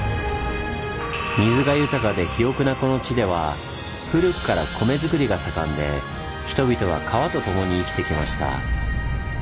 水が豊かで肥沃なこの地では古くから米づくりが盛んで人々は川と共に生きてきました。